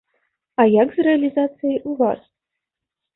А як з рэалізацыяй у вас?